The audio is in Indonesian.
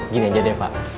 gini aja deh pak